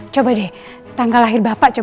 coba deh tanggal lahir bapak coba